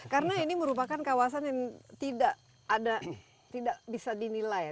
karena ini merupakan kawasan yang tidak bisa dinilai